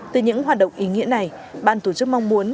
từ những hoạt động ý nghĩa này ban tổ chức mong muốn